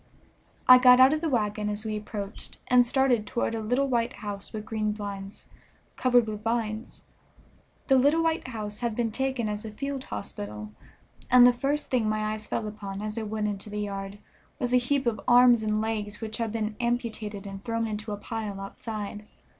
I got out of the wagon as we approached, and started toward a little white house with green blinds, covered with vines. The little white house had been taken as a field hospital, and the first thing my eyes fell upon as I went into the yard was a heap of arms and legs which had been amputated and thrown into a pile outside.